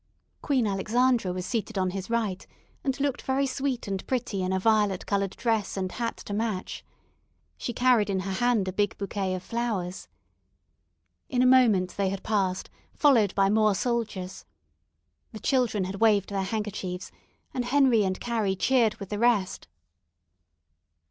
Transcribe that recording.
Queen Alexandra was seated on his right, and looked very sweet and pretty in a violet coloured dress and hat to match. She carried in her hand a big bouquet of flowers. In a moment they had passed, followed by more soldiers. The children had waved their handkerchiefs, and Henry and Carrie cheered with the rest.